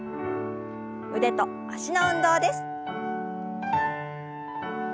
腕と脚の運動です。